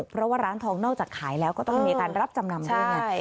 เพราะว่าร้านทองนอกจากขายแล้วก็ต้องมีการรับจำนำด้วยไง